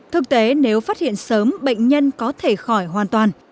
thực tế nếu phát hiện sớm bệnh nhân có thể khỏi hoàn toàn